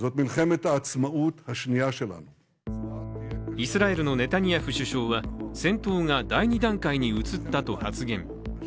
イスラエルのネタニヤフ首相は戦闘が第２段階に移ったと発言。